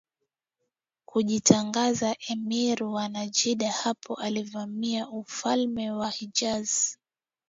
kujitangaza Emir wa Najd Hapo alivamia ufalme wa Hijaz